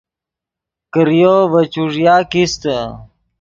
کریو ڤے چوݱیا کیستے